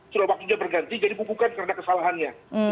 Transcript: sudah waktunya berganti jadi bubukan karena kesalahannya